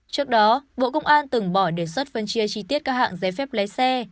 trước đó bộ công an từng bỏ đề xuất phân chia chi tiết các hạng giấy phép lái xe